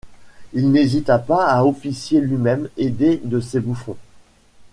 Il n'hésita pas à officier lui-même, aidé de ses bouffons.